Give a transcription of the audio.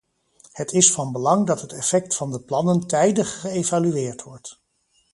Het is van belang dat het effect van de plannen tijdig geëvalueerd wordt.